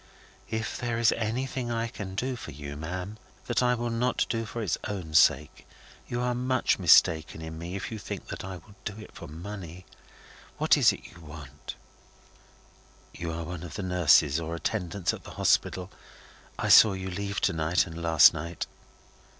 "If there is anything I can do for you, ma'am, that I will not do for its own sake, you are much mistaken in me if you think that I will do it for money. What is it you want?" "You are one of the nurses or attendants at the Hospital; I saw you leave to night and last night."